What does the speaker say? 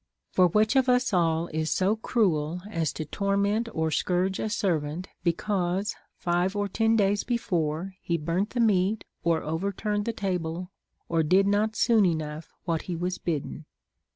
For which of us all is so cruel as to torment or scourge a servant because, five or ten days before, he burnt the meat, or overturned the table, or did not soon enough what he was bidden